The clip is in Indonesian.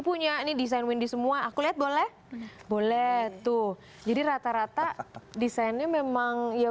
punya ini desain windy semua aku lihat boleh boleh tuh jadi rata rata desainnya memang ya